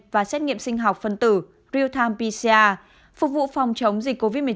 và xét nghiệm sinh học phân tử rt pcr phục vụ phòng chống dịch covid một mươi chín